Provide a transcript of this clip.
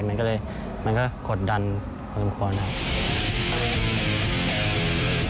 มันก็เลยกดดันกว่าสมควรครับ